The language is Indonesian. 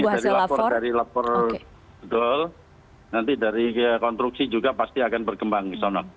dari lapor nanti dari konstruksi juga pasti akan berkembang